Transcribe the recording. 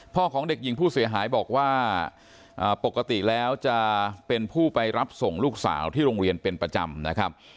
ของเด็กหญิงผู้เสียหายบอกว่าปกติแล้วจะเป็นผู้ไปรับส่งลูกสาวที่โรงเรียนเป็นประจำนะครับ